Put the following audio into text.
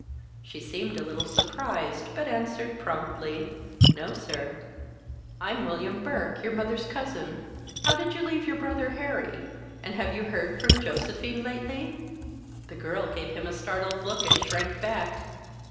She seemed a little surprised, but answered promptly: "No, sir." "I'm William Burke, your mother's cousin. How did you leave your brother Harry, and have you heard from Josephine lately?" The girl gave him a startled look and shrank back.